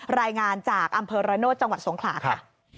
รายงานจากอำเภอระโนธจังหวัดสงขลาค่ะ